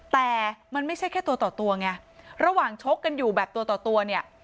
แต่มันไม่ใช่แค่ตัวต่อตัวไงระหว่างชกกันอยู่แบบตัวต่อตัวเนี่ย